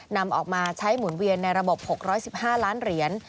นำออกมาใช้หมุนเวียนในระบบ๖๑๕ล้านเหรียญ